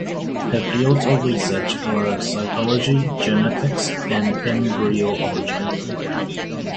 Her fields of research were cytology, genetics and embryology.